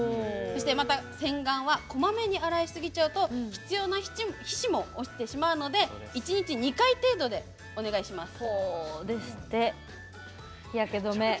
また、洗顔はこまめに洗いすぎちゃうと必要な皮脂も落ちてしまうので１日２回程度でお願いします。